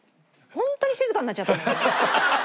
本当に静かになっちゃった。